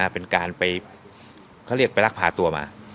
เป็นการไปเขาเรียกไปรักพาตัวมา